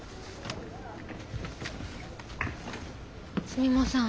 すみません